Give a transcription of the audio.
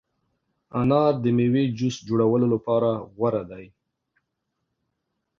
انار د مېوې جوس جوړولو لپاره غوره دی.